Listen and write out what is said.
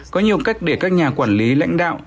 có nhiều cách để các nhà quản lý lãnh đạo